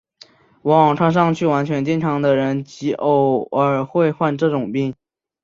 往往看上去完全健康的人极偶尔会患这种病。